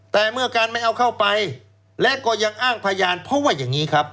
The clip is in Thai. แต่เมื่อการไม่เอาเข้าไปและก็ยังอ้างพยานเพราะว่าอย่างนี้ครับ